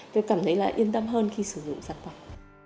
tôi cảm thấy yên tâm hơn khi sử dụng sản phẩm